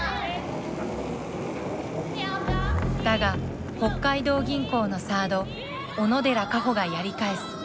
だが北海道銀行のサード小野寺佳歩がやり返す。